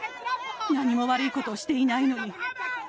何も悪いことをしていないのに。